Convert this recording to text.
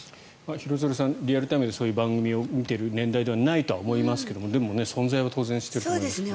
廣津留さんリアルタイムでそういう番組を見ている年代ではないと思いますがでも、存在は当然知っていると思います。